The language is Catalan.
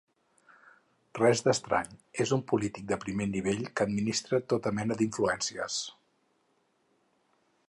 Res d'estrany en un polític de primer nivell que administra tota mena d'influències.